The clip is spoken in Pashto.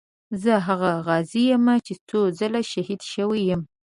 زه هغه غازي یم چې څو ځله شهید شوی یم.